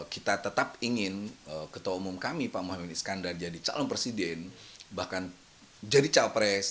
kalau umum kami pak mohamad iskandar jadi calon presiden bahkan jadi cawapres